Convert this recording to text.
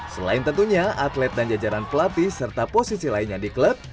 selain tentunya atlet dan jajaran pelatih serta posisi lainnya di klub